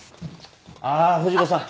ああ藤子さん